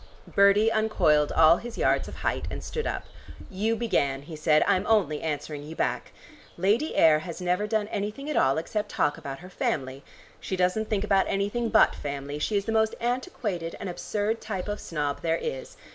Bertie uncoiled all his yards of height and stood up. "You began," he said. "I'm only answering you back. Lady Ayr has never done anything at all except talk about her family. She doesn't think about anything but family: she's the most antiquated and absurd type of snob there is.